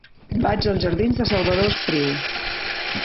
Vaig als jardins de Salvador Espriu.